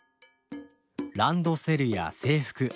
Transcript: ランドセルや制服